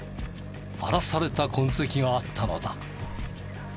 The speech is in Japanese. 荒らされた痕跡があったのだ。